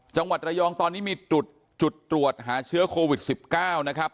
จังหวัดระยองตอนนี้มีจุดตรวจหาเชื้อโควิด๑๙นะครับ